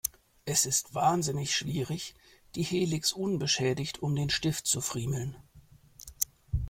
Es ist wahnsinnig schwierig, die Helix unbeschädigt um den Stift zu friemeln.